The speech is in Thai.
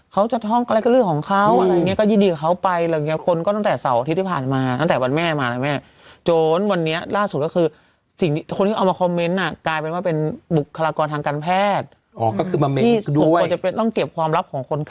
ก็คือมาด้วยผลครับ